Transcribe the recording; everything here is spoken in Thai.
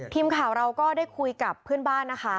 ทีมข่าวเราก็ได้คุยกับเพื่อนบ้านนะคะ